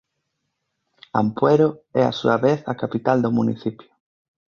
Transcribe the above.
Ampuero é á súa vez a capital do municipio.